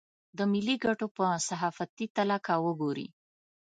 د ملي ګټو په صحافتي تله که وګوري.